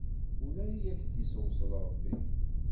Ula i ak-d-iwṣel Ṛebbi!